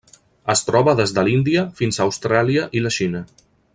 Es troba des de l'Índia fins a Austràlia i la Xina.